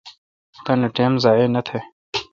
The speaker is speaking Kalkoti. تانی ٹیم ضایع نہ تہ